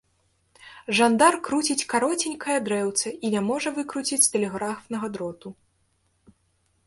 Жандар круціць кароценькае дрэўца і не можа выкруціць з тэлеграфнага дроту.